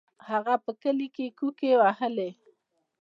هغه په کلي کې کوکې وهلې.